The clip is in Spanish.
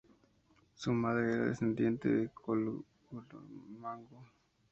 Su madre era descendiente de Carlomagno.